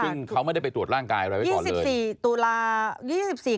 ซึ่งเขาไม่ได้ไปตรวจร่างกายอะไรไว้ก่อน๑๔ตุลา๒๔